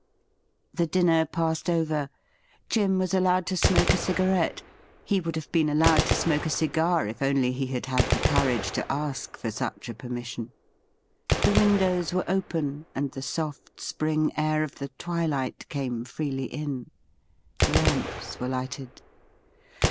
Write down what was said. The dinner passed over. Jim was allowed to smoke a cigarette ; he would have been allowed to smoke a cigar if only he had had the courage to ask for such a permission. The windows were open, and the soft spring air of the twilight came freely in. The lamps were lighted.